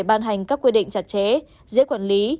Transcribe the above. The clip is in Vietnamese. ban hành các quy định chặt chẽ dễ quản lý